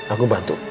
aku sama dengan ma